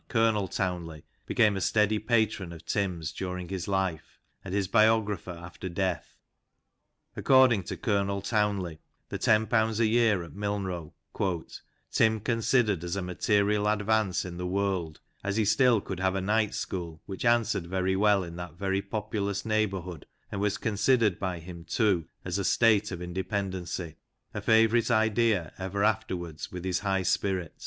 Colonel Townley, became a steady patron of Tim's during his life, and his biographer after death. According to Colonel Townley, the ten pounds a year at Milnrow " Tim considered as a material advance in the world, as he still could have a night school, which answered very well in that very populous neighbourhood, and was considered by him, too, as a state of independency, a favourite idea ever afterwards with his high spirit.